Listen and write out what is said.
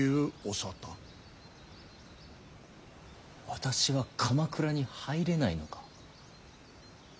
私は鎌倉に入れないのか。